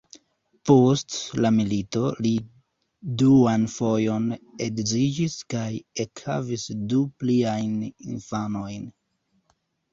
Post la milito li duan fojon edziĝis kaj ekhavis du pliajn infanojn.